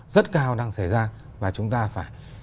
rất cao đang xảy ra và chúng ta phải